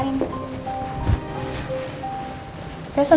nanti gangguin kamu terus malah